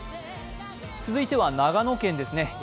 続いては長野県ですね。